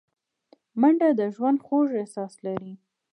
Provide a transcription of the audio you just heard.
منډه د ژوند خوږ احساس لري